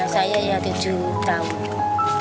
saya tujuh tahun